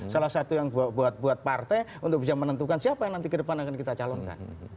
salah satu yang buat partai untuk bisa menentukan siapa yang nanti ke depan akan kita calonkan